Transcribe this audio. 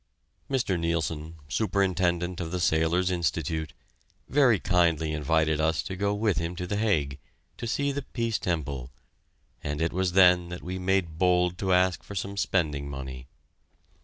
Mr. Neilson, Superintendent of the Sailors' Institute, very kindly invited us to go with him to The Hague, to see the Peace Temple, and it was then that we made bold to ask for some spending money.